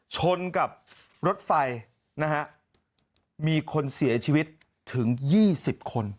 ชนกับรถไฟนะฮะมีคนเสียชีวิตถึง๒๐คน